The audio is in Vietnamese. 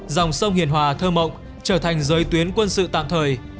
dòng sông hiền hòa thơ mộng trở thành giới tuyến quân sự tạm thời